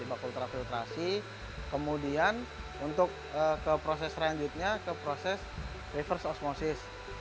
di bak ultrafiltrasi kemudian untuk ke proses selanjutnya ke proses reverse osmosis